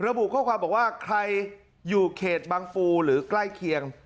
ระบุข้อความบอกว่าใครอยู่เขตบังฟูหรือใกล้เคียง